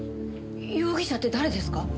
容疑者って誰ですか？